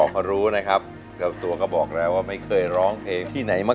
ไหนไม่เคยร้องทีไหนม่